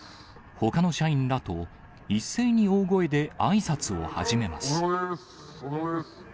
ほかの社員らと一斉に大声であいさつを始めます。